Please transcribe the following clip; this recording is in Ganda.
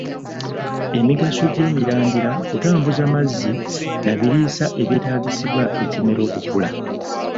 Emigaso gy'emirandira kutambuza mazzi na biriisa ebyetaagisibwa ekimera okukula